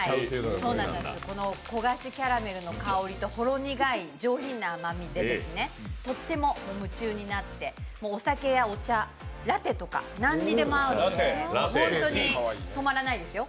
この焦がしキャラメルの香りとほろ苦い上品な甘みでとっても夢中になって、お酒やお茶、ラテとか何にでも合うので本当に止まらないですよ。